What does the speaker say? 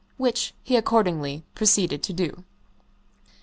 Which he accordingly proceeded to do.